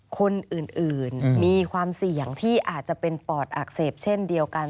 คนอื่นมีความเสี่ยงที่อาจจะเป็นปอดอักเสบเช่นเดียวกัน